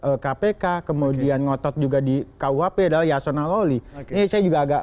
apa undang undang pemasarakatan kpk kemudian ngotot juga di kuhp adalah yasona loli ini saya juga agak